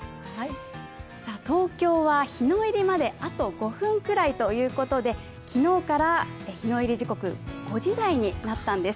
東京は日の入りまで、あと５分くらいということで、昨日から日の入り時刻、５時台になったんです。